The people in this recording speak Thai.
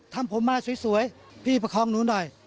ทำผมมาสวยพี่ประคองหนูหน่อย